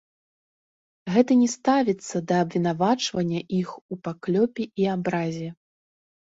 Гэта не ставіцца да абвінавачвання іх у паклёпе і абразе.